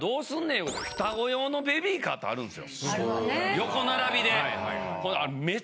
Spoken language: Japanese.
横並びで。